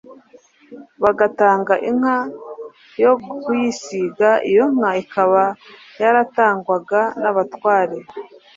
bagatanga inka yo kuyisiga, iyo nka ikaba yaratangwaga n'abatware.